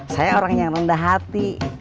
saya orang yang rendah hati